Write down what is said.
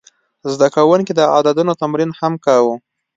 زده کوونکي د عددونو تمرین هم کاوه.